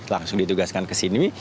langsung ditugaskan ke sini